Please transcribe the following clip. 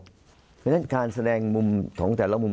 เพราะฉะนั้นการแสดงมุมของแต่ละมุม